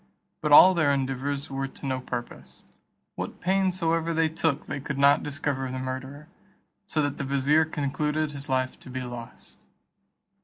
But all their endeavours were to no purpose; what pains soever they took they could not discover the murderer; so that the vizier concluded his life to be lost.